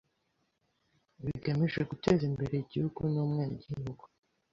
bigemije guteze imbere Igihugu n’ umwene gihugu